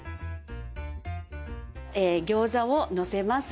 餃子をのせます